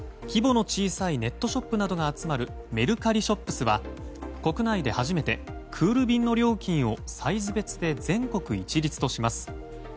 規模の小さいネットショップなどが集まるメルカリＳｈｏｐｓは国内で初めてクール便の料金をサイズ別で全国一律とします。